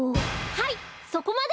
はいそこまで！